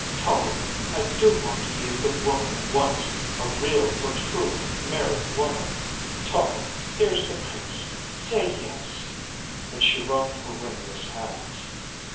Tony, I do want to be a good woman once, a real for true married woman. Tony, here's the priest; say yes." And she wrung her ringless hands.